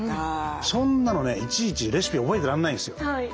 そんなのねいちいちレシピ覚えてらんないんですよ。